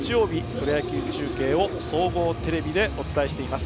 プロ野球中継を総合テレビでお伝えしています。